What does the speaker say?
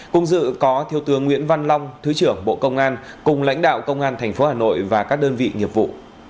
cùng dự có thiếu tướng nguyễn văn long thứ trưởng bộ công an cùng lãnh đạo công an tp hà nội và các đơn vị nghiệp vụ